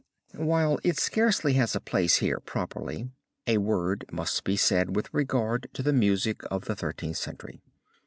While it scarcely has a place here properly, a word must be said with regard to the music of the Thirteenth Century.